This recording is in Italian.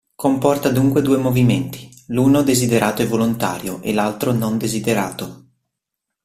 Comporta dunque due movimenti: l'uno desiderato e volontario e l'altro non desiderato.